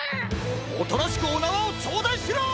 おとなしくおなわをちょうだいしろ！